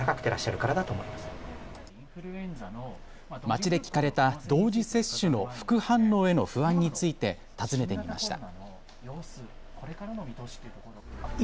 街で聞かれた同時接種の副反応への不安について尋ねてみました。